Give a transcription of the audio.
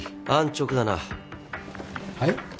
安直だな。